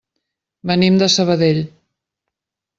Venim de Sabadell.